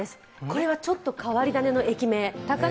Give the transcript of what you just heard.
これはちょっと変わり種の駅名。